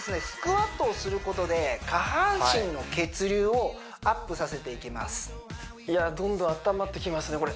スクワットをすることで下半身の血流をアップさせていきますいやどんどん温まってきますね